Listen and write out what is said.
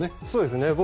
そうですね。